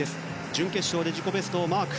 準決勝で自己ベストをマーク。